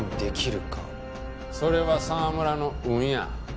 それは澤村の運や。